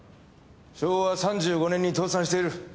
昭和３５年に倒産している。